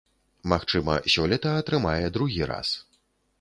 Магчыма, сёлета атрымае другі раз.